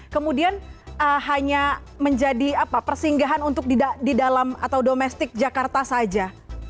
kemudian hanya menjadi persinggahan untuk di dalam atau domestik jakarta saja